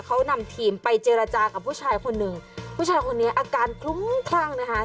เขานำทีมไปเจรจากับผู้ชายคนหนึ่งผู้ชายคนนี้อาการคลุ้มคลั่งนะคะ